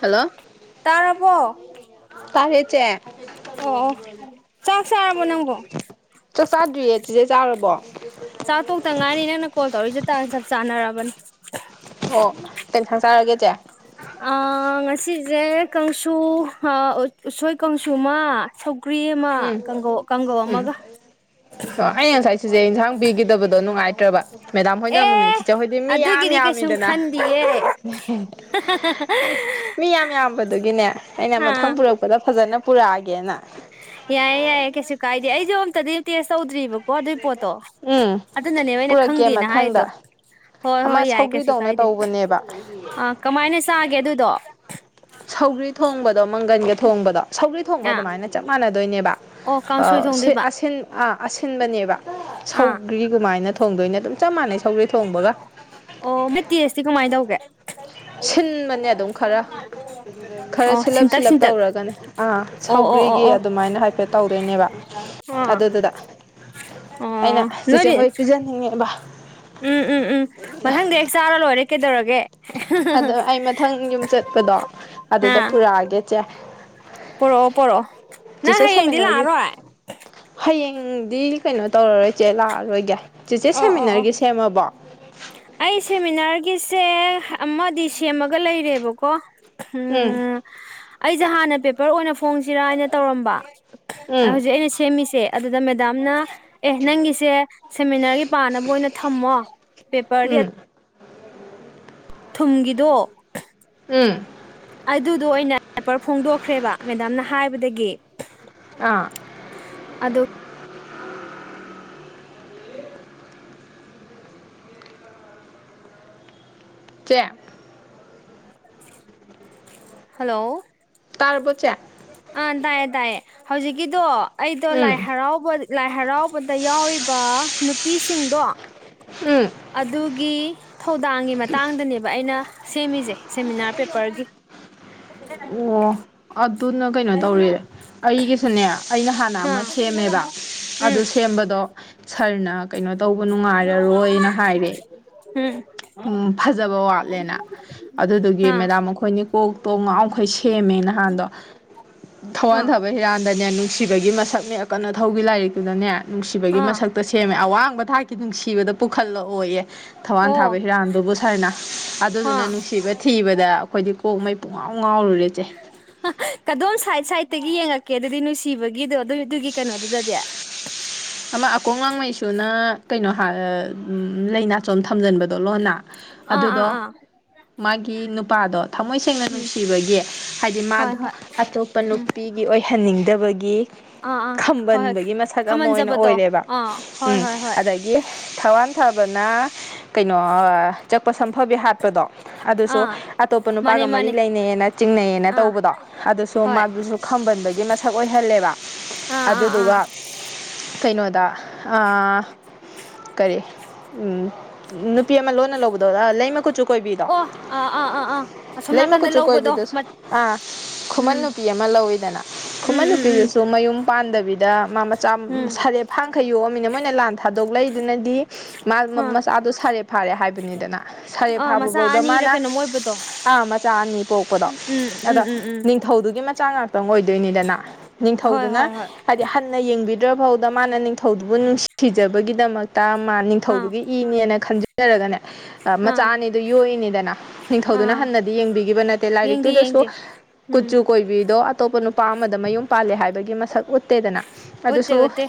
Hello ꯇꯥꯔꯕꯣ ꯑꯣ ꯇꯥ ꯀꯦ ꯆꯦ ꯑꯣ ꯆꯥꯛ ꯆꯥꯔꯕꯣ ꯅꯪꯕꯣ ꯆꯥꯛ ꯆꯥꯗ꯭ꯔꯤꯌꯦ ꯆꯤꯖꯩ ꯆꯥꯔꯕꯣ ꯇꯖ ꯆꯥꯅꯔꯥꯕꯟ ꯑꯣ ꯇꯦꯟꯁꯪꯖꯔꯒꯦꯆꯦ ꯁꯤꯁꯦ ꯀꯥꯡꯁꯨ ꯎꯁꯣꯏ ꯀꯥꯡ ꯆꯃꯥ ꯁ ꯎꯝ ꯎꯝ ꯑꯥꯏ ꯁꯤꯁꯦ ꯏꯟꯁꯥꯡ ꯄꯤꯈꯤꯗꯕꯗꯣ ꯅꯨꯡꯉꯥꯏꯇꯦ ꯍꯠꯇꯔꯔꯕꯕꯥ ꯃꯦꯗꯥꯝ ꯍꯣꯏꯅ ꯑꯃꯨꯛꯅꯦ ꯑꯦ ꯆꯤꯆꯦ ꯍꯣꯏꯗꯤ ꯃꯤ ꯌꯥꯝ ꯑꯗꯨꯒꯤꯗꯤ ꯀꯩꯁꯨꯝ ꯌꯥꯝꯃꯤꯗꯅ ꯈꯟꯗꯤꯌꯦ ꯃꯤ ꯌꯥꯝ ꯌꯥꯝꯕꯗꯨꯒꯤꯅꯦ ꯑꯩꯅ ꯑꯥ ꯃꯊꯪ ꯄꯨꯔꯛꯄꯗ ꯐꯖꯅ ꯄꯨꯔꯒꯦꯅ ꯌꯥꯏ ꯌꯥꯏ ꯌꯥ ꯀꯩꯁꯨ ꯀꯥꯏꯗ ꯑꯩꯖꯣ ꯑꯣꯝ ꯇ ꯗꯦ ꯇꯤꯁ ꯁꯧꯗ꯭ꯔꯤ ꯏꯕꯛ ꯑꫭ ꯑꯗꯨꯏ ꯄꯣꯠꯇꯣ ꯎꯝ ꯑꯗꯨꯅꯅꯦꯕ ꯑꯩꯅ ꯄꯨꯔꯛꯀꯦ ꯈꯪꯗꯦꯅ ꯍꯥꯏꯗꯣ ꯃꯊꯪꯗ ꯍꯣꯏ ꯑꯃ ꯍꯣꯏ ꯌꯥꯏ ꯀꯩꯁꯨ ꯁꯧꯒ꯭ꯔꯤꯗꯧꯅ ꯀꯥꯏꯗꯦ ꯇꯧꯕꯅꯦꯕ ꯑꯥ ꯀꯃꯥꯏꯅ ꯆꯥꯒꯦ ꯑꯗꯨꯗꯣ ꯁꯧꯒ꯭ꯔꯤ ꯊꯣꯡꯕꯗꯣ ꯃꯪꯒꯟꯒ ꯊꯣꯡꯕꯗꯣ ꯁꯧꯒ꯭ꯔꯤ ꯊꯣꯡꯕ ꯑꯥ ꯑꯗꯨꯃꯥꯏꯅ ꯆꯞ ꯃꯥꯟꯅꯗꯣꯏꯅꯦꯕ ꯑꯣ ꯀꯥꯡꯁꯣꯏ ꯑꯁꯤ ꯊꯣꯡꯗꯣꯏꯕ ꯑ ꯑꯁꯤꯟꯕꯅꯦꯕ ꯑꯥ ꯁꯧꯒ꯭ꯔꯤꯒꯃꯥꯏꯅ ꯊꯣꯡꯗꯣꯏꯅ ꯑꯗꯨꯝ ꯆꯞ ꯃꯥꯟꯅꯩ ꯁꯧꯒ꯭ꯔꯤ ꯊꯣꯡꯕꯒ ꯑꯣ ꯃꯦꯠꯇꯦ ꯑꯁꯤꯇꯤ ꯀꯃꯥꯏꯅ ꯇꯧꯒꯦ ꯁꯤꯟꯕꯅꯦ ꯑꯗꯨꯝ ꯈꯔ ꯈꯔ ꯑꯣ ꯁꯤꯜꯂꯞ ꯁꯤꯟꯇꯛ ꯁꯤꯜꯂꯞ ꯁꯤꯟꯇꯛ ꯇꯧꯔꯒꯅꯦ ꯑꯥ ꯑꯣ ꯑꯣ ꯑꯣ ꯁꯧꯒ꯭ꯔꯤꯒꯤ ꯑꯣ ꯑꯗꯨꯃꯥꯏꯅ ꯍꯥꯏꯐꯦꯠ ꯇꯧꯗꯣꯏꯅꯦꯕ ꯑꯥ ꯑꯗꯨꯗꯨꯗ ꯑꯩꯅ ꯑꯣ ꯆꯆꯦ ꯅꯣꯏꯗꯤ ꯍꯣꯏ ꯄꯤꯖꯟꯅꯤꯡꯉꯦꯕ ꯎꯝ ꯎꯝ ꯎꯝ ꯃꯊꯪꯗꯤ ꯍꯦꯛ ꯆꯥꯔ ꯂꯣꯏ ꯇꯔꯦ ꯀꯩꯗꯧꯔꯒꯦ ꯑꯗꯣ ꯑꯩ ꯃꯊꯪ ꯌꯨꯝ ꯆꯠꯄꯗꯣ ꯑꯗꯨꯗ ꯄꯨꯔꯛꯑꯒꯦ ꯏꯁꯦ ꯄꯤꯔꯛꯑꯣ ꯄꯣꯔꯛꯑꯣ ꯅꯪ ꯍꯌꯦꯡꯗꯤ ꯂꯥꯛꯑꯔꯣꯏ? ꯎꯗꯤ ꯀꯩꯅꯣ ꯇꯧꯔꯔꯣꯏ ꯆꯦ ꯂꯥꯛꯑꯔꯣꯏꯒꯦ꯫ ꯆꯤꯆꯦ ꯑꯣ ꯑꯣ ꯑꯣ ꯁꯦꯃꯤꯟꯅꯔꯒꯤ ꯁꯦꯝꯃꯕꯣ? ꯁꯦ ꯑꯃꯗꯤ ꯁꯦꯝꯃꯒ ꯂꯩꯔꯦꯕꯀꯣ ꯎꯝ ꯑꯩꯁꯦ ꯍꯥꯟꯅ ꯄꯦꯄꯔ ꯑꯣꯏꯅ ꯐꯣꯡꯁꯤꯔꯥ ꯍꯥꯏꯅ ꯇꯧꯔꯝꯕ ꯎꯝ ꯍꯧꯖꯤ ꯑꯩꯅ ꯁꯦꯃꯤꯁꯦ ꯑꯗꯨꯗ ꯃꯦꯗꯥꯝꯅ ꯑꯦ ꯅꯪꯒꯤꯁꯦ ꯁꯦꯃꯤꯅꯥꯔꯒꯤ ꯄꯥꯅꯕ ꯑꯣꯏꯅ ꯊꯝꯃꯣ ꯄꯦꯄꯔꯗꯤ ꯎꯝ ꯊꯨꯝꯒꯤꯗꯣ ꯎꯝ ꯑꯗꯨꯗꯣ ꯑꯣꯏꯅ ꯄꯦꯄꯔ ꯐꯣꯡꯗꯣꯛꯈ꯭ꯔꯦꯕ ꯃꯦꯗꯥꯝꯅ ꯍꯥꯏꯕꯗꯒꯤ ꯑꯥ꯫ ꯑꯗꯨ ꯆꯦ ꯍꯜꯂꯣ! ꯇꯥꯔ꯭ꯕꯣ ꯆꯦ? ꯑ ꯇꯥꯏꯌꯦ- ꯇꯥꯏꯌꯦ ꯍꯧꯖꯤꯛꯀꯤꯗꯣ ꯑꯩꯗꯣ ꯂꯥꯏ ꯎꯝ ꯍꯔꯥꯎꯕ ꯂꯥꯏ ꯍꯔꯥꯎꯕꯗ ꯌꯥꯎꯔꯤꯕ ꯅꯨ ꯄꯤꯁꯤꯡꯗꯣ ꯎꯝ ꯑꯗꯨꯒꯤ ꯊꯧꯗꯥꯡꯒꯤ ꯃꯇꯥꯡꯗꯅꯦꯕ ꯑꯩꯅ ꯁꯦꯝꯃꯤꯁꯦ ꯁꯦꯃꯤꯅꯥꯔ ꯄꯦꯄꯔꯒꯤ꯫ ꯑꯣ ꯑꯗꯨꯅ ꯀꯩꯅꯣ ꯇꯧꯔꯤ ꯑꯩꯒꯤꯁꯨꯅꯦ ꯑꯩꯅ ꯍꯥꯟꯅ ꯑꯃ ꯑꯥ ꯁꯦꯝꯃꯦꯕ ꯑꯗꯨ ꯎꯝ ꯁꯦꯝꯕꯗꯣ ꯁꯥꯔꯅ ꯀꯩꯅꯣ ꯇꯧꯕ ꯅꯨꯡꯉꯥꯏꯔꯔꯣꯏꯅ ꯍꯥꯏꯔꯦ ꯎꯝ ꯎꯝ ꯐꯖꯕ ꯋꯥꯠꯂꯦꯅ ꯑꯗꯨꯗꯨꯒꯤ ꯑꯥ ꯃꯦꯗꯥꯝ ꯑꯩꯈꯣꯏꯅꯤ ꯀꯣꯛ ꯇꯣꯡ ꯑꯩꯈꯣꯏ ꯁꯦꯝꯃꯦ ꯅꯍꯥꯟꯗꯣ ꯑꯥ ꯊꯧꯋꯥꯟꯊꯕ ꯍꯤꯔꯥꯟꯗꯅꯦ, ꯅꯨꯡꯁꯤꯕꯒꯤ ꯃꯁꯛ ꯅꯦ ꯀꯥ ꯃꯊꯧꯒꯤ ꯂꯥꯏꯔꯤꯛꯇꯨꯗꯅꯦ ꯅꯨꯡꯁꯤꯕꯒꯤ ꯑꯥ ꯃꯁꯛꯇ ꯁꯦꯝꯃꯦ ꯑꯋꯥ ꯕ ꯊꯥꯛꯀꯤ ꯅꯨꯡꯁꯤꯕꯗ ꯄꯨꯈꯠꯂꯑꯣꯌꯦ꯫ ꯊꯋꯥꯟ ꯑꯣ ꯊꯥꯕ ꯍꯤꯔꯥꯟꯗꯨꯕꯨ ꯁꯥꯔꯅ ꯑꯗꯨꯗꯨꯅ ꯑꯥ ꯅꯨꯡꯁꯤꯕ ꯊꯤꯕꯗ ꯑꯩꯈꯣꯏꯗꯤ ꯀꯣꯛ ꯃꯩ ꯄꯨꯡꯉꯥꯎ ꯉꯥꯎꯔꯨꯔꯦ ꯆꯦ ꯑꯒꯤ ꯌꯦꯡꯉꯛꯀꯦ ꯑꯗꯨꯗꯤ ꯅꯨꯡꯁꯤꯕꯒꯤꯗꯣ ꯑꯗꯨ ꯑꯗꯨꯒꯤ ꯀꯩꯅꯣꯗꯨꯗꯗꯤ ꯑꯃ ꯑꯀꯣꯡ ꯂꯥꯡꯃꯩꯁꯨꯅ ꯀꯩꯅꯣ ꯍꯥꯏ ꯂꯥꯏꯅꯥꯆꯣꯝ ꯊꯝꯖꯟꯕꯗꯣ ꯂꯣꯟꯅ ꯑꯥ ꯑꯗꯨꯗꯣ ꯑꯥ ꯃꯥꯒꯤ ꯅꯨꯄꯥꯗꯣ ꯊꯃꯣꯏ ꯁꯦꯡꯅ ꯎꯝ ꯅꯨꯡꯁꯤꯕꯒꯤ ꯍꯥꯏꯗꯤ ꯍꯣꯏ ꯃꯥꯗꯣ ꯍꯣꯏ ꯑꯇꯣꯞꯄ ꯎꯝ ꯅꯨꯄꯤꯒꯤ ꯑꯣꯏꯍꯟꯅꯤꯡꯗꯕꯒꯤ ꯑꯥ ꯑꯥ ꯍꯣꯏ ꯍꯣꯏ ꯈꯝꯕꯟꯕꯒꯤ ꯃꯁꯛ ꯑꯃ ꯃ ꯑꯣꯏꯅ ꯈꯝꯍꯟꯖꯕꯗꯣ ꯑꯣꯏꯔꯦꯕ ꯑꯥ ꯍꯣꯏ ꯎꯝ ꯍꯣꯏ ꯍꯣꯏ ꯑꯗꯒꯤ ꯊꯧꯕꯥꯟ ꯊꯕꯅ ꯀꯩꯅꯣ ꯆꯛꯄ ꯁꯝꯐꯕꯤ ꯍꯥꯠꯄꯗꯣ ꯑꯗꯨꯁꯨ ꯑꯥ ꯑꯇꯣꯞꯄ ꯃꯥꯅꯦ ꯅꯨꯄꯥꯒ ꯃꯔꯤ ꯃꯥꯅꯦ ꯂꯩꯅꯩꯑꯅ ꯆꯤꯡꯅꯩꯌꯦꯅ ꯑꯥ ꯇꯧꯕꯗꯣ ꯑꯗꯨꯁꯨ ꯍꯣꯏ ꯃꯥꯗꯨꯁꯨ ꯈꯝꯕꯟꯕꯒꯤ ꯃꯁꯛ ꯑꯣꯏꯍꯜꯂꯦꯕ ꯑꯥ ꯑꯥ ꯑꯥ ꯑꯗꯨꯗꯨꯒ ꯀꯩꯅꯣꯗ ꯑ ꯀꯔꯤ ꯎꯝ ꯅꯨꯄꯤꯤꯃ ꯂꯣꯟ ꯂ ꯍꯒꯗ꯭ꯔ ꯂꯩꯃ ꯀ ꯆ ꯀꯣꯏꯕꯤꯗꯣ ꯑꯣ ꯑꯥ ꯑꯥ ꯑꯥ ꯑꯥ ꯑꯁꯣꯝ ꯂꯩꯃ ꯅꯥꯀꯟꯗ ꯀꯨꯆꯨ ꯂꯧꯕꯗꯣ ꯀꯣꯏꯕꯤꯗꯨꯁꯨ ꯑꯥ ꯈꯨꯃꯟ ꯎꯝ ꯅꯨꯄꯤ ꯑꯃ ꯂꯧꯋꯤꯗꯅ ꯎꯝ ꯈꯨꯃꯟ ꯎꯝ ꯎꯝ ꯅꯨꯄꯤꯗꯨꯁꯨ ꯃꯌꯨꯝ ꯄꯥꯟꯗꯕꯤ ꯃꯥꯃ ꯎꯝ ꯁꯥꯔꯦ ꯐ ꯑꯪꯈꯩꯣ ꯑꯃꯃꯤꯅ ꯑꯩꯅ ꯂꯥꯟ ꯊꯥꯗꯣꯛꯂꯗꯨꯅꯗꯤ ꯃꯥ ꯑꯥ ꯃꯆꯥꯗꯣ ꯁꯥꯔꯦ ꯐꯥꯔꯦ ꯍꯥꯏꯕꯅꯤꯗꯅ ꯁꯥꯔꯦ ꯑꯥ ꯃꯆꯥ ꯐꯥꯕꯐꯧꯗ ꯑꯅꯤꯔ ꯃꯥꯅ ꯀꯩꯅꯣꯝ ꯑꯣꯏꯕꯗꯣ ꯑꯥ ꯃꯆꯥ ꯑꯅꯤ ꯄꯣꯛꯄꯗꯣ ꯎꯝ ꯎꯝ ꯑꯗ ꯎꯝ ꯎꯝ ꯅꯤꯡꯊꯧꯗꯨꯒꯤ ꯃꯆꯥ ꯉꯥꯛꯇꯪ ꯑꯣꯏꯗꯣꯏ ꯗꯣꯏꯅꯤꯗꯅꯥ ꯍꯣꯏ ꯍꯣꯏ ꯅꯤꯡꯊꯧꯗꯨꯅ ꯍꯣꯏ ꯍꯥꯏꯗꯤ ꯍꯟꯅ ꯌꯦꯡꯕꯤ ꯗ ꯃꯥꯅ ꯅꯤꯡꯊꯧꯗꯨꯕꯨ ꯅꯨꯡꯁꯤꯖꯕꯒꯤꯗꯃꯛ ꯇ ꯃꯥ ꯑꯥ ꯅꯤꯡꯊꯧꯗꯨꯒꯤ ꯏꯅꯦꯅ ꯈꯟꯖ ꯇꯔꯒꯅꯦ ꯃꯆꯥ ꯑꯥ ꯑꯅꯤꯗꯨ ꯌꯣꯛꯏꯅꯤꯗꯅ ꯅꯤꯡꯊꯧꯗꯨꯅ ꯑꯥ ꯍꯟꯅꯗꯤ ꯌꯦꯡꯕꯤꯈꯤꯕ ꯅꯠꯇꯦ ꯌꯦꯡꯗꯦ ꯂꯥꯏꯔꯤꯛꯇꯨꯗꯁꯨ ꯌꯦꯡꯗꯦ ꯎꯝ ꯀꯨꯆꯨ ꯀꯣꯏꯕꯤꯗꯣ ꯑꯇꯣꯞꯄ ꯅꯨꯄꯥ ꯑꯃꯗ ꯃꯌꯨꯝ ꯄꯥꯜꯂꯦ ꯍꯥꯏꯕꯒꯤ ꯃꯁꯛ ꯎꯠꯇꯦꯗꯅ ꯎꯠꯇꯦ ꯑꯗꯨꯁꯨ ꯎꯠꯇꯦ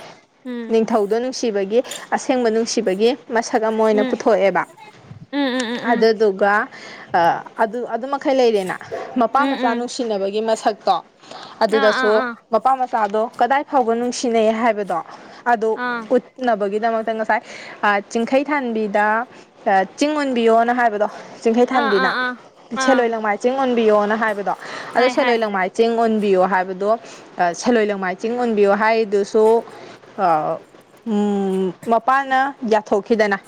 ꯎꯝ ꯅꯤꯡꯊꯧꯗꯣ ꯅꯨꯡꯁꯤꯕꯒꯤ ꯑꯁꯦꯡꯕ ꯅꯨꯡ ꯑꯁꯤꯕꯒꯤ ꯃꯁꯛ ꯑꯃ ꯑꯣꯏꯅ ꯎꯝ ꯄꯨꯊꯣꯛꯑꯦꯕ ꯎꯝ ꯎꯝ ꯎꯝ ꯎꯝ ꯑꯗꯨꯗꯨꯒ ꯑꯗꯨ ꯑꯗꯨꯃꯩ ꯂꯩꯔꯦꯅ ꯃꯄꯥ ꯎꯝ ꯃꯆꯥ ꯎꯝ ꯅꯨꯡꯁꯤꯅꯕꯒꯤ ꯃꯁꯛꯇꯣ ꯑꯥ ꯑꯥ ꯑꯗꯨꯗꯁꯨ ꯑꯥ ꯃꯄꯥ ꯃꯆꯥꯗꯣ ꯀꯗꯥꯏ ꯐꯥꯎꯕ ꯅꯨꯡ ꯁꯤꯟꯅꯩ ꯍꯥꯏꯕꯗꯣ ꯑꯗꯣ ꯑꯥ ꯎꯠꯅꯕꯒꯤ ꯅ ꯉꯁꯥꯏ ꯆꯤꯡꯈꯩ ꯊꯥꯟꯕꯤꯗ ꯆꯤꯡ ꯑꯣꯟꯕꯤꯌꯣꯅ ꯍꯥꯏꯕꯗꯣ ꯆꯤꯡꯈꯩ ꯑꯥ ꯑꯥ ꯊꯥꯟꯕꯤꯅ ꯑꯥ ꯑꯥ ꯁꯦꯂꯣꯏ ꯂꯥꯡꯃꯥꯏ ꯆꯤꯡ ꯑꯣꯟꯕꯤꯌꯣꯅ ꯍꯥꯏꯕꯗꯣ ꯑꯣ ꯍꯥꯏ ꯍꯥꯏ ꯁꯦꯜꯂꯣꯏ ꯂꯥꯡꯃꯥꯏ ꯆꯤꯡ ꯑꯣꯟꯕꯤꯌꯣ ꯍꯥꯏꯕꯗꯣ ꯁꯦꯂꯣꯏ ꯂꯪꯃꯥꯏ ꯆꯤꯡ ꯑꯣꯟꯕꯤꯌꯣ ꯍꯥꯏ ꯁꯣ ꯃꯄꯥꯥꯟꯅ ꯌꯥ ꯊꯣꯛꯈꯤꯗꯅ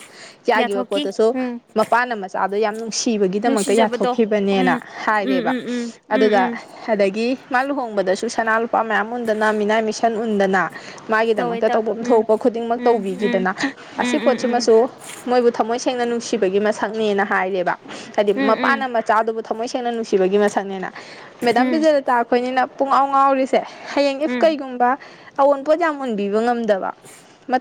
ꯌꯥꯈꯤꯕ ꯌꯥꯊꯣꯛꯀꯤ ꯄꯣꯠꯇꯨꯁꯨ ꯎꯝ ꯃꯄꯥꯟꯅ ꯃꯆꯥꯗꯣ ꯌꯥꯝ ꯅꯨꯡꯁꯤꯕꯒꯤꯗꯃꯛꯇ ꯅꯨꯡꯁꯤꯖꯕꯗꯣ ꯌꯥꯊꯣꯛꯈꯤꯕꯅꯦꯅ ꯎꯝ ꯎꯝ ꯍꯥꯏꯔꯦꯕ ꯎꯝ ꯎꯝ ꯎꯝ ꯑꯗꯨꯗ ꯎꯝ ꯑꯗꯒꯤ ꯃꯥ ꯂꯨꯍꯣꯡꯕꯗꯁꯨ ꯁꯅꯥ ꯂꯨꯄꯥ ꯃꯌꯥꯝ ꯎꯟꯗꯅ ꯃꯤꯅꯥꯏ ꯃꯤꯁꯟ ꯎꯟꯗꯅ ꯇꯧꯋꯦ ꯃꯥꯒꯤꯗꯃꯛꯇ ꯇꯧꯋꯦ ꯇꯧꯕꯝ ꯎꯝ ꯊꯣꯛꯄ ꯈꯨꯗꯤꯡꯃꯛ ꯎꯝ ꯎꯝ ꯇꯧꯕꯤꯒꯤꯗꯅ ꯎꯝ ꯑꯁꯤ ꯎꯝ ꯄꯣꯠꯁꯤꯃꯁꯨ ꯃꯣꯏꯕꯨ ꯊꯃꯣꯏ ꯁꯦꯡꯅ ꯅꯨꯡꯁꯤꯕꯒꯤ ꯃꯁ ꯊꯛꯅꯦꯅ ꯍꯥꯏꯔꯦꯕ ꯍꯥꯏꯗꯤ ꯎꯝ ꯎꯝ ꯎꯝ ꯃꯄꯥꯅ ꯃꯆꯥꯗꯨꯕꯨ ꯊꯃꯣꯏ ꯁꯦꯡꯅ ꯅꯨꯡꯁꯤꯕꯒꯤ ꯃꯁꯛꯅꯦꯅ ꯃꯦꯗꯥꯝ ꯎꯝ ꯕꯤꯖꯂꯇꯥ ꯑꯩꯈꯣꯏꯅꯤꯅ ꯄꯨꯡꯉꯥꯎ ꯉꯥꯎꯔꯤꯁꯤ ꯁꯦ ꯍꯌꯦꯡ ꯏꯐ ꯎꯝ ꯀꯩꯒꯨꯝꯕ ꯑꯋꯣꯟ ꯄꯣꯠ ꯌꯥꯝ ꯎꯟꯕꯤꯕ ꯉꯝꯗꯕ ꯕ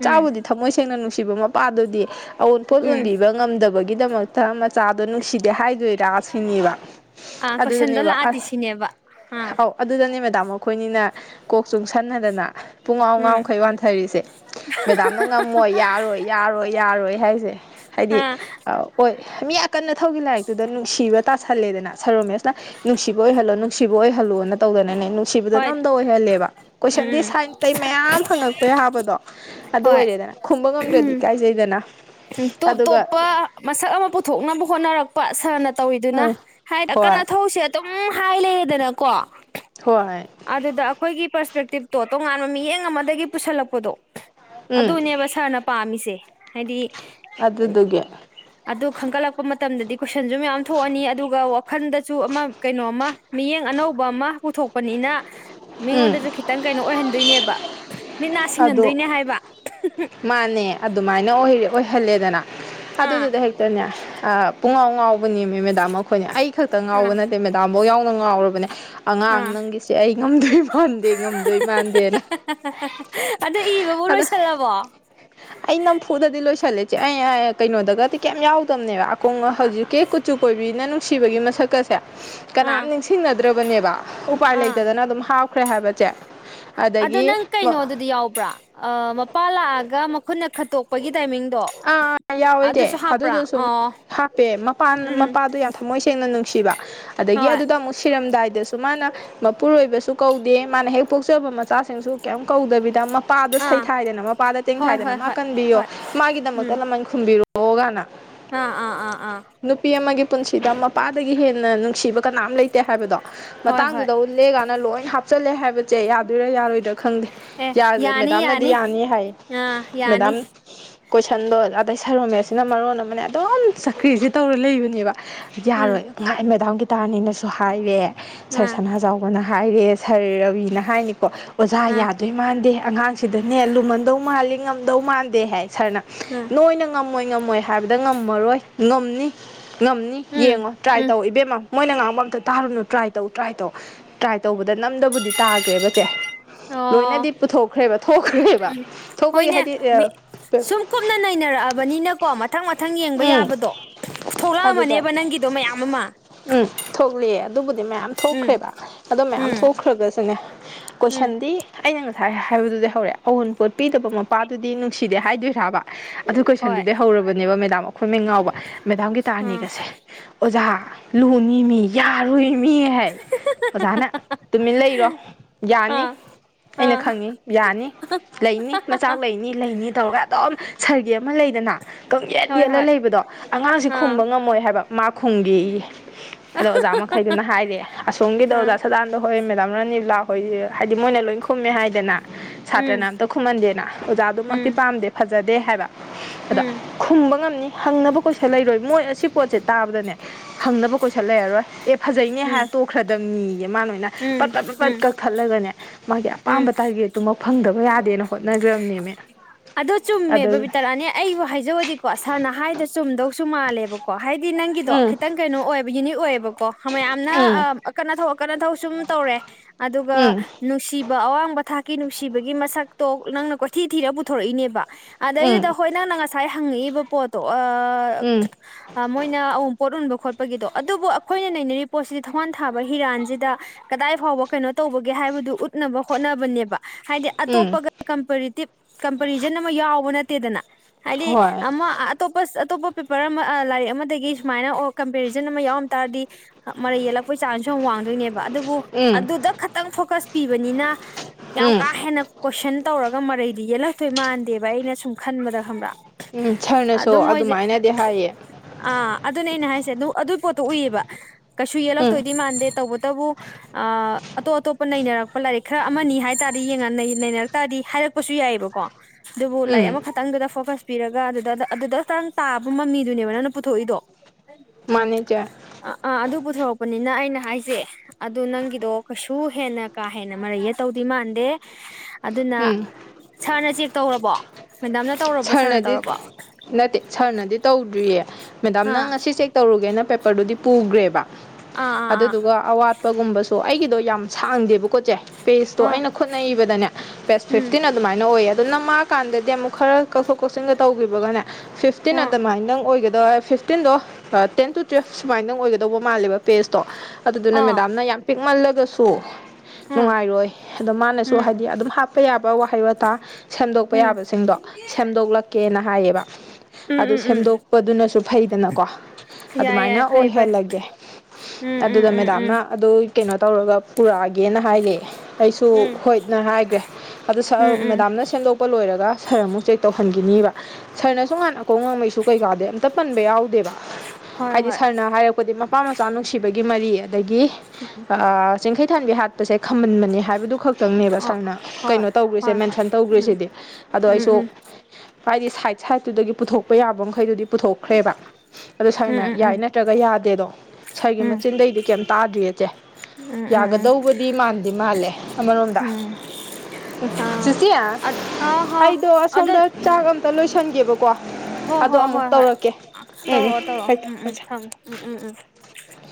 ꯎꯝ ꯊꯃꯣꯏ ꯁꯦꯡꯅ ꯅꯨꯡ ꯁꯤꯕ ꯃꯄꯥꯗꯨꯗꯤ ꯑꯎꯟꯄꯣꯠ ꯎꯝ ꯎꯟꯕꯤꯕ ꯉꯝꯗꯕꯒꯤꯗꯃꯛꯇ ꯃꯆꯥꯗꯣ ꯅꯨꯡꯁꯤꯗꯦ ꯍꯥꯏꯗꯣꯏꯔꯥ ꯁꯤꯅꯦꯕ ꯑꯥ ꯀꯣꯏꯁꯟꯗꯣ ꯑꯗꯨꯗꯅꯦꯕ ꯂꯥꯛꯑꯗꯤ ꯑꯁ ꯁꯤꯅꯦꯕ ꯑꯥ ꯑꯧ ꯑꯗꯨꯗꯅꯦꯕ ꯇꯥꯃꯣ ꯈꯣꯏꯅꯤꯅ ꯀꯣꯛ ꯆꯨꯡꯁꯟ ꯅꯗꯅ ꯎꯝ ꯄꯨꯡꯉꯥꯎꯉꯥꯎꯈꯩ ꯋꯥꯟꯊꯔꯤꯁꯦ ꯃꯦꯗꯥꯝꯅ ꯉꯝꯃꯣꯏ ꯌꯥꯔꯣꯏ ꯌꯥꯔꯣꯏ ꯌꯥꯔꯣꯏ ꯍꯥꯏꯁꯦ ꯍꯥꯏꯗꯤ ꯑꯥ ꯑꯣꯏ ꯃꯤ ꯑꯀꯟ ꯑꯊꯧꯒꯤ ꯂꯥꯏꯔꯤꯛꯇꯨꯗ ꯅꯨꯡꯁꯤꯕ ꯇꯥꯁꯜꯂꯦꯗꯅ ꯁꯔ ꯔꯣꯃꯦꯁꯅ ꯅꯨꯡꯁꯤꯕ ꯑꯣꯏꯍꯜꯂꯣ ꯅꯨꯡꯁꯤꯕ ꯑꯣꯏꯍꯜꯂꯣꯅ ꯇꯧꯗꯅꯅꯦ ꯁꯤꯕꯨꯗꯣ ꯍꯣꯏ ꯅꯝꯗ ꯑꯣꯏꯍꯜꯂꯦꯕ ꯀꯣꯏꯁꯟꯗꯤ ꯎꯝ ꯁꯥꯏꯟ ꯇꯩ ꯃꯌꯥꯝ ꯍꯪꯉꯛꯄꯩ ꯍꯥꯏꯕꯗꯣ ꯑꯗꯨ ꯍꯣꯏ ꯑꯣꯏꯔꯦꯗꯅ ꯈꯨꯝꯕ ꯉꯝ ꯇꯗꯤ ꯏꯀꯥꯏꯖꯩꯗꯅ ꯇꯣꯞ ꯑꯗꯨꯒ ꯇꯣꯞꯄ ꯃꯁꯛ ꯑꯃ ꯄꯨꯊꯣꯛꯅꯕ ꯍꯣꯠꯅꯔꯛꯄ ꯁꯅ ꯇꯧꯋꯤꯗꯨꯅ ꯎꯝ ꯍꯥꯏ ꯑꯀꯟ ꯍꯣꯏ ꯑꯊꯧꯁꯦ ꯑꯗꯨꯝ ꯎꯝ ꯍꯥꯏ ꯂꯩꯑꯦꯗꯅ ꯀꯣ ꯍꯣꯏ ꯑꯗꯨꯗ ꯑꯈꯣꯏꯒꯤ ꯄꯔꯁ ꯄꯦꯛꯇꯤꯞꯇꯣ ꯇꯣꯉꯥꯟꯕ ꯃꯤꯠꯌꯦꯡ ꯑꯃꯗꯒꯤ ꯄꯨꯁꯤꯜꯂꯛꯄꯗꯣ ꯎꯝ ꯑꯗꯨꯅꯦꯕ ꯁꯥꯔꯅꯞ ꯄꯥꯝꯃꯤꯁꯦ ꯍꯥꯏꯗꯤ ꯑꯗꯨꯗꯨꯒꯤ ꯑꯗꯨ ꯈꯪꯀꯠꯂꯛꯄ ꯃꯇꯝꯗꯗꯤ ꯀꯣꯏꯁꯟꯖꯨ ꯃꯌꯥꯝ ꯊꯣꯛꯑꯅꯤ ꯑꯗꯨꯒ ꯋꯥꯈꯟꯗꯁꯨ ꯑꯃ ꯀꯩꯅꯣ ꯑꯃ ꯃꯤꯠꯌꯦꯡ ꯑꯅꯧꯕ ꯑꯃ ꯄꯨꯊꯣꯛ ꯄꯅꯤꯅ ꯎꯝ ꯃꯤꯉꯣꯟꯗꯖꯨ ꯈꯤꯇꯪ ꯀꯩꯅꯣ ꯑꯣꯏꯍꯟꯗꯣꯏꯅꯦꯕ ꯃꯤꯠ ꯅꯥ ꯑꯗꯣ ꯁꯤꯡꯍꯟꯗꯣꯏꯅꯦ ꯍꯥꯏꯕ ꯅ ꯑꯣꯏꯔ ꯑꯣꯏꯍꯜꯂꯦꯗꯅ ꯑꯥ ꯑꯗꯨꯗꯨꯗ ꯍꯦꯛꯇꯅꯦ ꯄꯨꯡꯉꯥꯎ ꯉꯥꯎꯕꯅꯦꯃꯤ ꯃꯦꯗꯥꯝ ꯑꯈꯣꯏꯅꯤ ꯑꯩ ꯈꯛꯇ ꯑꯥ ꯉꯥꯎꯕ ꯅꯠꯇꯦ ꯃꯦꯗꯥꯝꯕꯧ ꯌꯥꯎꯅ ꯉꯥꯎꯔꯕꯅꯦ ꯑꯉꯥꯡ ꯑꯥ ꯅꯪꯒꯤꯁꯦ ꯑꯩ ꯉꯝꯗꯣꯏ ꯃꯥꯟꯗꯦ ꯉꯝꯗꯣꯏ ꯃꯥꯟꯗꯦꯅ ꯍ ꯑꯗ ꯏꯕꯕꯨ ꯑꯗ ꯂꯣꯏꯁꯤꯜꯂꯕꯣ ꯑꯩ ꯅ ꯐꯨꯗꯗꯤ ꯂꯣꯏ ꯀꯣꯏꯁꯜꯂꯦꯁꯦ ꯑꯩ ꯀꯩꯅꯣꯗꯒꯗꯤ ꯀꯩꯝ ꯌꯥꯎꯗꯕꯅꯦꯕ ꯀꯨꯡꯉꯣ ꯑꯥ ꯍꯧꯖꯤꯛꯀꯤ ꯀꯨꯆꯨ ꯀꯣꯏꯕꯤꯅ ꯁꯤꯕꯒꯤ ꯃꯁꯛ ꯀꯅꯥꯝ ꯑꯥ ꯅꯤꯡꯁꯤꯡꯅꯗ꯭ꯔꯕꯅꯦꯕ ꯎꯄꯥꯏ ꯑꯥ ꯂꯩꯇꯗꯅ ꯑꯗꯨꯝ ꯍꯞ ꯑꯗꯣ ꯅꯪ ꯀꯩꯅꯣꯗꯨꯗꯤ ꯌꯥꯎꯕ꯭ꯔꯣ ꯃꯄꯥ ꯂꯥꯛꯑꯒ ꯈꯨꯟꯅ ꯑꯥ ꯌꯥꯎꯋꯦꯗ ꯑꯗꯨꯁꯨ ꯍꯥꯞꯄ꯭ꯔꯥ ꯑꯗꯨꯗ ꯁ ꯑꯣ ꯍꯥꯞꯄꯦ ꯃꯄꯥꯥꯟ ꯎꯝ ꯃꯄꯥꯗꯣ ꯌꯥꯝ ꯊꯃꯣꯏ ꯁꯦꯡꯅ ꯅꯨꯡꯁꯤꯕ ꯑꯗꯒꯤ ꯍꯣꯏ ꯑꯗꯨꯗ ꯑꯃꯨꯛ ꯁꯤꯔꯝꯗꯥꯏꯗ ꯗꯁꯨ ꯃꯥꯅ ꯃꯄꯨꯔꯣꯏꯕꯁꯨ ꯀꯧꯗꯦ ꯃꯥꯅ ꯍꯦꯛ ꯄꯣꯛꯆꯕ ꯃꯆꯥꯁꯤꯡꯁꯨ ꯀꯩꯝ ꯀꯧꯗꯕꯤꯗ ꯃꯄꯥꯗ ꯑꯥ ꯁꯩꯊꯥꯏꯗꯅ ꯃꯄꯥꯗ ꯍꯣꯏ ꯇꯦꯡꯊꯥꯏꯗꯅ ꯍꯣꯏ ꯃꯥ ꯍꯣꯏ ꯈꯨꯝꯕꯤꯑꯣ ꯍꯣꯏ ꯃꯥꯒꯤꯗ ꯃꯨꯝ ꯎꯝ ꯂꯝꯟ ꯕꯤꯔꯣꯒꯥꯏꯅ ꯑꯥ ꯑꯥ ꯑꯥ ꯑꯥ ꯅꯨꯄꯤ ꯑꯃꯥꯒꯤ ꯄꯨꯟꯁꯤꯗ ꯃꯄꯥꯗꯒꯤ ꯍꯦꯟꯅ ꯅꯨꯡꯁꯤꯕ ꯀꯅꯥꯝ ꯂꯩꯇꯦ ꯍꯥꯏꯕꯗꯣ ꯍꯣꯏ ꯍꯣꯏ ꯃꯇꯥꯡꯗꯨꯗ ꯎꯜꯂꯦ ꯀꯥꯟꯅ ꯂꯣꯏ ꯍꯥꯞ ꯆꯂꯦ ꯍꯥꯏꯕ ꯁꯦ ꯌꯥꯗꯣꯏꯔꯥ ꯌꯥꯔꯣꯏꯗꯔꯥ ꯈꯪꯗꯦ ꯑꯦ ꯌꯥꯗꯦ ꯌꯥꯅꯤ ꯃꯦꯗꯥꯝꯅꯗꯤ ꯌꯥꯅꯤ ꯍꯥꯏꯌꯦ ꯑꯥ ꯌꯥꯅꯤ ꯃꯦꯗꯥꯝ ꯀꯣꯏꯁꯟꯗꯣ ꯑꯗꯩ ꯁꯥꯔ ꯔꯣꯃꯦꯁꯤꯅ ꯃꯔꯣꯟ ꯑꯃꯅꯦ ꯑꯗꯨꯝ ꯆꯀ꯭ꯔꯤꯁꯤ ꯇꯧꯔ ꯂꯩꯕꯅꯦꯕ ꯎꯝ ꯌꯥꯔꯣꯏ ꯉꯍꯥꯏ ꯃꯦꯗꯥꯝꯒꯤ ꯇꯥꯅꯤꯅꯁꯨ ꯍꯥꯏꯔꯦ ꯁꯥꯔ ꯑꯥ ꯁꯥꯟꯅꯖꯥꯎꯕꯅ ꯍꯥꯏ ꯔꯦꯁ ꯁꯥꯔ ꯔꯥꯕꯤꯅ ꯍꯥꯏꯅꯤꯀꯣ ꯑꯣꯖꯥ ꯑꯥ ꯌꯥꯗꯣꯏ ꯃꯥꯟꯗꯦ ꯑꯉꯥꯡꯁꯤꯗꯅꯦ ꯂꯨꯃꯟꯗꯧ ꯃꯥꯜꯂꯤ ꯗꯧ ꯃꯥꯟꯗꯦ ꯍꯥꯏ ꯁꯥꯔꯅ ꯎꯝ ꯅꯣꯏꯅ ꯉꯝ ꯉꯝꯃꯣꯏ ꯉꯝꯃꯣꯏ ꯍꯥꯏꯕꯗ ꯉꯝꯃꯔꯣꯏ ꯉꯝꯅꯤ ꯉꯝꯅꯤ ꯎꯝ ꯌꯦꯡꯉꯣ ꯇ꯭ꯔꯥꯏ ꯎꯝ ꯇꯧ ꯏꯕꯦꯝꯃ ꯃꯣꯏꯅ ꯉꯥꯡꯉ ꯑꯃ ꯇꯥꯔꯅꯨ ꯇ꯭ꯔꯥꯏ ꯇꯧ ꯇ꯭ꯔꯥꯏ ꯇꯧ ꯇ꯭ꯔꯥꯏ ꯇꯧꯕꯗ ꯑꯗ ꯅꯝꯗꯕꯨꯗꯤ ꯇꯥꯈ꯭ꯔꯦꯕꯁꯦ ꯑꯣ ꯂꯣꯏꯅꯗꯤ ꯄꯨꯊꯣꯛꯈ꯭ꯔꯦꯕ ꯊꯣꯛꯈ꯭ꯔꯦꯕ ꯊꯣꯛꯄꯒꯤ ꯍꯣꯏꯅꯦ ꯍꯥꯏꯗꯤ ꯃꯤ ꯁꯨꯝ ꯀꯨꯞꯅ ꯅꯩꯅꯔꯛꯑꯕꯅꯤꯅꯀꯣ ꯃꯊꯪ ꯃꯊꯪ ꯌꯦꯡꯕ ꯎꯝ ꯌꯥꯕꯗꯣ ꯑꯗꯨꯗ ꯊꯣꯛꯂꯛꯑꯃꯅꯦꯕ ꯅꯪꯒꯤꯗꯣ ꯃꯌꯥꯝ ꯑꯃ ꯊꯣꯛꯂꯤꯑꯦ ꯑꯗꯨꯕꯨꯗꯤ ꯗꯤ ꯃꯌꯥꯝ ꯎꯝ ꯊꯣꯛꯈ꯭ꯔꯦꯕ ꯑꯗꯣ ꯃꯌꯥꯝ ꯎꯝ ꯊꯣꯛꯈ꯭ꯔꯒꯁꯨꯅꯦ ꯎꯝ ꯀꯣꯏꯁꯟꯗꯤ ꯑꯩꯅ ꯉꯁꯥꯏ ꯍꯥꯏꯕꯗꯨꯗꯤ ꯍꯧꯔꯛꯑꯦ ꯑꯍꯟꯄꯣꯠ ꯄꯤꯗꯕ ꯃꯄꯥ ꯑꯗꯨꯗꯤ ꯅꯨꯡꯁꯤꯗꯦ ꯍꯥꯏꯗꯣꯏ꯭ꯔꯕ ꯑꯗꯨ ꯍꯣꯏ ꯀꯣꯏꯁꯟꯗꯨꯗꯤ ꯍꯧꯔꯕꯅꯦꯕ ꯃꯦꯗꯥꯝ ꯑꯩꯈꯣꯏ ꯃꯤꯡ ꯉꯥꯎꯕ ꯃꯦꯗꯥꯝꯒꯤ ꯎꯝ ꯇꯥꯔꯅꯤꯒꯁꯦ ꯑꯣꯖꯥ ꯂꯨꯅꯤꯃꯤ ꯌꯥꯔꯨ ꯃꯤ ꯍꯥꯏ ꯑꯣꯖꯥꯅ ꯇꯨꯃꯤꯟ ꯂꯩꯔꯣ ꯌꯥꯅꯤ ꯑꯥ ꯑꯩꯅ ꯑꯥ ꯈꯪꯉꯤ ꯌꯥꯅꯤ ꯂꯩꯅꯤ ꯃꯆꯥ ꯂꯩꯅꯤ ꯂꯩꯅꯤ ꯇꯧꯔꯒ ꯑꯗꯨꯝ ꯒꯤ ꯑꯃ ꯂꯩꯗꯅ ꯀꯪꯌꯦꯠ ꯍꯣꯏ ꯌꯦꯠꯂ ꯍꯣꯏ ꯂꯩꯕꯗꯣ ꯑꯉꯥꯡꯁꯤ ꯑꯥ ꯈꯨꯝꯕ ꯉꯝꯃꯣꯏ ꯍꯥꯏꯕ ꯃꯈꯨꯝꯒꯤ ꯏ ꯑꯗꯣ ꯑꯣꯖꯥ ꯃꯈꯩꯗꯨꯅ ꯍꯥꯏꯔꯑꯦ ꯑꯁꯣꯝꯒꯤꯗ ꯑꯥ ꯑꯣꯖꯥ ꯁꯗꯥꯟꯗꯣ ꯍꯣꯏ ꯃꯦꯗꯥꯝ ꯔꯥꯅꯤ ꯂꯥꯎ ꯑꯩꯈꯣꯏꯗꯤ ꯍꯥꯏꯗꯤ ꯃꯣꯏꯅ ꯂꯣꯏ ꯈꯨꯝꯃꯦ ꯍꯥꯏꯗꯅ ꯎꯝ ꯁꯥꯇ꯭ꯔꯅ ꯑꯝꯇ ꯈꯨꯝꯃꯟꯗꯦꯅ ꯑꯣꯖꯥꯗꯨꯃꯛꯇꯤ ꯎꯝ ꯄꯥꯝꯗꯦ ꯐꯖꯩ ꯖꯗꯦ ꯍꯥꯏꯕ ꯑꯗ ꯎꯝ ꯈꯨꯝꯕ ꯉꯝꯅꯤ ꯍꯪꯅꯕ ꯀꯣꯏꯁꯠ ꯂꯩꯔꯣꯏ ꯃꯣꯏ ꯑꯁꯤ ꯄꯣꯠꯁꯦ ꯇꯥꯕꯗꯅꯦ ꯍꯪꯅꯕ ꯀꯣꯏꯁꯠ ꯂꯩꯔꯔꯣꯏ ꯑꯦ ꯐꯖꯩꯅꯦ ꯎꯝ ꯍꯥꯏꯔ ꯇꯣꯛꯈ꯭ꯔꯗꯝꯕꯅꯤ ꯃꯥꯅꯣꯏꯅ ꯄꯠ ꯎꯝ ꯄꯠ ꯄꯠ ꯄꯠ ꯎꯝ ꯀꯛꯊꯠꯂꯒꯅꯦ ꯃꯥꯒꯤ ꯎꯝ ꯑꯄꯥꯝꯕ ꯇꯥꯔꯒꯦꯠꯇꯨꯃꯛ ꯐꯪꯗꯕ ꯌꯥꯗꯦꯅ ꯍꯣꯠꯅ ꯑꯣ ꯆꯨꯝꯃꯦꯕ ꯕꯤꯇꯔꯥꯅꯦ ꯑꯩꯕꯨ ꯍꯥꯏꯖꯧꯗꯤꯀꯣ ꯁꯥꯔꯅ ꯍꯥꯏꯗ ꯆꯨꯝꯗꯧ ꯁꯁꯨ ꯃꯥꯜꯂꯦꯕꯀꯣ ꯍꯥꯏꯗꯤ ꯅꯪꯒꯤꯗꯣ ꯎꯝ ꯈꯤꯇꯪ ꯀꯩꯅꯣ ꯑꯣꯏꯌꯦꯕ ꯌꯨꯅꯤꯛ ꯑꯣꯏꯌꯦꯕꯀꯣ ꯃꯌꯥꯝꯅ ꯎꯝ ꯑꯀꯟ ꯑ ꯊꯊꯧ ꯑꯀ ꯑꯊꯧ ꯁꯨꯝ ꯇꯧꯔꯦ ꯑꯗꯨꯒ ꯎꯝ ꯅꯨꯡꯁꯤꯕ ꯑꯋꯥꯡꯕ ꯊꯥꯛꯀꯤ ꯀꯤꯅꯨꯁꯤ ꯊꯤꯕꯒꯤ ꯃꯁꯛꯇꯣ ꯅꯪꯅ ꯀꯣꯏꯊꯤ ꯊꯤꯔ ꯄꯨꯊꯣꯔꯛꯏꯅꯦꯕ ꯎꯝ ꯑꯗꯩꯗꯨꯗ ꯍꯣꯏ ꯅꯪꯅ ꯉꯁꯥꯏ ꯍꯪꯉꯛꯏꯕ ꯄꯣꯠꯇꯣ ꯎꯝ ꯃꯣꯏꯅ ꯑ ꯄꯣꯠ ꯎꯟꯕ ꯈꯣꯠꯄꯒꯤꯗꯣ ꯑꯗꯨꯕꯨ ꯑꯩꯈꯣꯏꯅ ꯅꯩꯅꯔꯤꯕ ꯄꯣꯠꯁꯤꯗꯤ ꯊꯧꯋꯥꯥꯟ ꯊꯥꯕ ꯍꯤꯔꯥꯟꯁꯤꯗ ꯀꯗꯥꯏ ꯐꯥꯎꯕ ꯀꯩꯅꯣ ꯇꯧꯕꯒꯦ ꯍꯥꯏꯕꯗꯨ ꯎꯠꯅꯕ ꯍꯣꯠꯅꯕꯅꯦꯕ ꯍꯥꯏꯗꯤ ꯎꯝ ꯑꯇꯣꯞꯄꯒ ꯀꯝꯄꯔꯤꯇꯤꯞ ꯀꯝꯄꯦꯔꯤꯖꯟ ꯑꯃ ꯌꯥꯎꯕ ꯅꯠꯇꯦꯗꯅ ꯍꯥꯏꯗꯤ ꯍꯣꯏ ꯑꯃ ꯑꯇꯣꯞꯄ ꯑꯇꯣꯞꯄ ꯄꯦꯄꯔ ꯑꯃ ꯂꯥꯏꯔꯤꯛ ꯑꯃꯗꯒꯤ ꯁꯨꯃꯥꯏꯅ ꯀꯝꯄꯦꯔꯤꯖꯟ ꯑꯃ ꯌꯥꯎꯔꯝ ꯇꯥꯔꯗꯤ ꯃꯔꯩ ꯌꯦꯛꯂꯛꯄꯒꯤ ꯆꯥꯟꯁꯁꯨ ꯌꯥꯝ ꯋꯥꯡ ꯑꯗꯨꯣꯏꯅꯦꯕ ꯑꯗꯨꯕꯨ ꯎꯝ ꯑꯗꯨꯗ ꯈꯇꯪ ꯐꯣꯀꯁ ꯄꯤꯕꯅꯤꯅ ꯌꯥꯝ ꯎꯝ ꯀꯥ ꯍꯦꯟꯅ ꯀꯣꯏꯁꯟ ꯇꯧꯔ ꯒ ꯃꯔꯩꯗꯤ ꯌꯦꯠꯂꯛꯇꯣꯏ ꯃꯥꯟꯗꯦꯕ ꯑꯩꯅ ꯁꯨꯝ ꯈꯟꯕꯗ ꯈꯪꯕ꯭ꯔꯥ ꯎꯝ ꯁꯥꯔꯅꯁꯨ ꯑꯗꯨ ꯃꯣꯏꯁꯦ ꯑꯗꯨꯃꯥꯏꯅꯗꯤ ꯍꯥꯏꯌꯦ ꯑꯥ ꯑꯗꯨꯅꯦ ꯑꯩꯅ ꯍꯥꯏꯁꯦ ꯑꯗꯨ- ꯑꯗꯨ ꯄꯣꯠ ꯇꯣ ꯎꯏꯕ ꯀꯩꯁꯨ ꯎꯝ ꯌꯦꯜꯂꯛꯇꯣꯏꯗꯤ ꯃꯥꯟꯗꯦ ꯇꯧꯕ ꯇꯕꯨ ꯑ ꯑꯇꯣꯞ- ꯑꯇꯣꯞꯄ ꯅꯩꯅꯔꯛꯄ ꯂꯥꯏꯔꯤꯛ ꯈꯔ ꯑꯃꯅꯤ ꯍꯥꯏ ꯇꯥꯔꯗꯤ ꯌꯦꯔꯛ ꯇꯥꯔꯗꯤ ꯍꯥꯏꯔꯛꯄꯁꯨ ꯌꯥꯏꯑꯕꯀꯣ ꯑꯗꯨꯕꯨ ꯂꯥꯏ ꯎꯝ ꯑꯃꯈꯛꯇꯪꯗꯨꯗ ꯐꯣꯀꯁ ꯄꯄꯤꯔꯒ ꯑꯗꯨꯗ ꯑꯗꯨꯗꯛꯇꯪ ꯇꯥꯕ ꯃꯃꯤꯗꯨꯅꯦꯕ ꯅꯪꯅ ꯄꯨꯊꯣꯛꯏꯗꯣ꯫ ꯃꯥꯅꯦ ꯆꯦ ꯑ ꯑꯥ ꯑꯗꯨ ꯄꯨꯊꯣꯔꯛꯄꯅꯤꯅ ꯑꯩꯅ ꯍꯥꯏꯁꯦ ꯑꯗꯨ ꯅꯪꯒꯤꯗꯣ ꯀꯩꯁꯨ ꯍꯦꯟꯅ ꯀꯥ ꯍꯦꯟꯅ ꯃꯔꯩꯌꯦ ꯇꯧ ꯃꯥꯟꯗꯦ ꯑꯗꯨꯅ ꯎꯝ ꯁꯥꯔꯅ ꯆꯦꯛ ꯇꯧꯔꯕꯣ ꯃꯦꯗꯥꯝꯅ ꯇꯧꯔꯕꯣ ꯁꯥꯔꯅ ꯁꯥꯔꯅꯗꯤ ꯇꯧꯔꯕꯣ ꯅꯠꯇꯦ ꯁꯥꯔꯅꯗꯤ ꯇꯧꯗ꯭ꯔꯤꯌꯦ ꯃꯦꯗꯥꯝꯅ ꯑꯥ ꯉꯁꯤ ꯆꯦꯛ ꯇꯧꯔꯨꯒꯦꯅ ꯄꯦꯄꯔꯗꯨꯗꯤ ꯄꯨꯒ꯭ꯔꯦꯕ ꯑꯥ ꯑꯥ ꯑꯥ ꯑꯗꯨꯗꯨꯒ ꯑꯋꯥꯠꯄꯒꯨꯝꯕꯁꯨ ꯑꯩꯒꯤꯗꯣ ꯌꯥꯝ ꯁꯥꯡꯗꯦꯕꯀꯣ ꯆꯦ ꯄꯦꯖꯇꯣ ꯑꯥ ꯑꯩꯅ ꯈꯨꯠꯅ ꯏꯕꯗꯅꯦ ꯄꯦꯖ ꯎꯝ ꯐꯤꯞꯇꯤꯟ ꯑꯗꯨꯃꯥꯏꯅ ꯑꯣꯏꯌꯦ ꯑꯗꯨꯅ ꯃꯥ ꯀꯥꯟꯗꯗꯤ ꯑꯃꯨꯛ ꯈꯔ ꯀꯛꯊꯣꯛ ꯀꯣꯛꯁꯤꯟꯒ ꯇꯧꯈꯤꯕꯒꯅꯦ ꯐꯤꯐꯇꯤꯟ ꯑꯥ ꯑꯗꯨꯃꯥꯏꯅꯗꯪ ꯑꯣꯏꯒꯗꯧ ꯐꯤꯐꯇꯤꯟꯗꯣ ꯇꯦꯟ ꯇꯨ ꯇꯨꯋꯦꯜꯚ ꯁꯨꯃꯥꯏꯅꯗꯪ ꯑꯣꯏꯒꯗꯧꯕ ꯃꯥꯜꯂꯦꯕ ꯄꯦꯖꯇꯣ ꯑꯗꯨꯗꯨꯅ ꯑꯥ ꯃꯦꯗꯥꯝꯅ ꯌꯥꯝ ꯄꯤꯛꯃꯜꯂ ꯒꯁꯨ ꯎꯝ ꯅꯨꯡꯉꯥꯏꯔꯣꯏ ꯑꯗꯣ ꯎꯝ ꯃꯥꯅꯁꯨ ꯎꯝ ꯍꯥꯏꯗꯤ ꯑꯗꯨꯝ ꯍꯥꯞꯄ ꯌꯥꯕ ꯋꯥꯍꯩ - ꯋꯥꯇꯥ ꯁꯦꯝꯗꯣꯛꯄ ꯎꯝ ꯌꯥꯕꯁꯤꯡꯗꯣ ꯊꯣꯛꯂꯛꯀꯦꯅ ꯍꯥꯏꯌꯦꯕ ꯑꯗꯨ ꯎꯝ ꯎꯝ ꯁꯦꯝꯗꯣꯛꯄꯗꯨꯅꯁꯨ ꯐꯩꯗꯅꯀꯣ ꯌꯥꯏ ꯑꯗꯨꯃꯥꯏꯅ ꯌꯥꯏ ꯐꯩ ꯐꯩ ꯑꯣꯏꯍꯜꯂꯒꯦ ꯎꯝ ꯎꯝ ꯑꯗꯨꯗ ꯎꯝ ꯎꯝ ꯃꯦꯗꯥꯝꯅ ꯑꯗꯨ ꯀꯩꯅꯣ ꯇꯧꯔꯒ ꯄꯨꯔꯛꯑꯒꯦꯅ ꯍꯥꯏꯔꯑꯦ ꯑꯩꯁꯨ ꯎꯝ ꯍꯣꯏꯅ ꯍꯥꯏꯈ꯭ꯔꯦ ꯑꯗꯣ ꯁ ꯑ ꯎꯝ ꯎꯝ ꯃꯦꯗꯥꯝꯅ ꯁꯦꯝꯗꯣꯛꯄ ꯂꯣꯏꯔꯒ ꯁꯥꯔ ꯑꯃꯨꯛ ꯆꯦꯛ ꯇꯧꯍꯟꯈꯤꯅꯤꯕ ꯁꯥꯔꯅꯁꯨ ꯉꯍꯥꯟꯅ ꯑꯀꯣꯡ ꯂꯥꯡꯃꯩꯁꯨ ꯀꯩꯀꯥꯗꯦ ꯑꯝꯇ ꯄꯟꯕ ꯌꯥꯎꯗꯦꯕ ꯍꯣꯏ ꯍꯥꯏꯗꯤ ꯍꯣꯏ ꯁꯥꯔꯅ ꯍꯥꯏꯔꯛꯄꯗꯤ ꯃꯄꯥ ꯃꯆꯥ ꯅꯨꯡꯁꯤꯕꯒꯤ ꯒꯤ ꯃꯥꯔꯤ ꯑꯗꯒꯤ ꯆꯤꯡꯈꯩꯊꯥꯟꯕꯤ ꯍꯥꯠ ꯄꯁꯦ ꯈꯝꯕꯟꯕꯅꯤ ꯍꯥꯏꯕꯗꯨ ꯈꯛꯇꯪꯅꯦꯕ ꯑ ꯁꯥꯔꯅ ꯍꯣꯏ ꯀꯩꯅꯣ ꯇꯧꯈ꯭ꯔꯤꯁꯦ ꯍꯣꯏ ꯍꯣꯏ ꯃꯦꯟꯁꯟ ꯎꯝ ꯇꯧꯈ꯭ꯔꯤꯁꯤꯗꯤ ꯑꯗꯣ ꯎꯝ ꯑꯩꯁꯨ ꯍꯥꯏꯗꯤ ꯁꯥꯏꯠ ꯁꯥꯏꯗꯠꯇꯨꯗꯒꯤ ꯄꯨꯊꯣꯛꯄ ꯌꯥꯕ ꯃꯈꯩꯗꯨꯗꯤ ꯄꯨꯊꯣꯛꯈ꯭ꯔꯦꯕ ꯑꯗꯣ ꯎꯝ ꯁꯥꯔꯅ ꯎꯝ ꯌꯥꯏ ꯎꯝ ꯅꯠꯇ꯭ꯔꯒ ꯌꯥꯗꯦꯗꯣ ꯁꯥꯔꯒꯤ ꯎꯝ ꯎꯝ ꯃꯆꯤꯟꯗꯩꯗꯤ ꯀꯩꯇ ꯇꯥꯗ꯭ꯔꯤꯌꯦ ꯆꯦ ꯎꯝ ꯌꯥꯒꯗꯧꯕꯗꯤ ꯃꯥꯟꯗꯤ ꯃꯥꯜꯂꯦ ꯑꯃꯔꯣꯝꯗ ꯎꯝ ꯎꯝ ꯆꯦꯆꯦ ꯑ ꯑ ꯍꯣ ꯑꯩꯗꯣ ꯑꯗꯨ ꯁꯣꯝꯗ ꯆꯥꯛ ꯑꯝꯇ ꯂꯣꯏꯁꯟꯒꯦꯕꯀꯣ ꯍꯣꯏ ꯑꯗꯣ ꯍꯣꯏ ꯑꯃꯨꯛ ꯍꯣꯏ ꯍꯣꯏ ꯇꯧꯔꯛꯀꯦ ꯎꯝ ꯎꯝ ꯇꯧꯔꯛꯑꯣ ꯇꯧꯔꯛꯑꯣ ꯐ ꯎꯝ ꯎꯝ ꯊꯝꯃꯦ ꯎꯝ ꯎꯝ ꯎꯝ [inaudible]